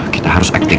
kita harus acting